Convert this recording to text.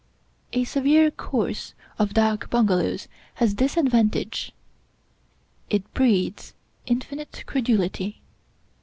A severe course of dak bungalows has this disadvantage — ^it breeds infinite credulity.